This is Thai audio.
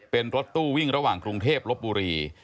เป็นรถตู้วิ่งระหว่างกรุงเทพลบบุรี